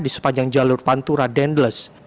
di sepanjang jalur pantura dendles